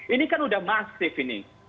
ini kan udah masif ini